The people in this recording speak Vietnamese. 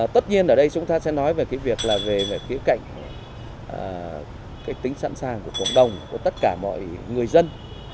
tất nhiên ở đây chúng ta sẽ nói về cái việc là về khía cạnh cái tính sẵn sàng của cộng đồng của tất cả mọi người dân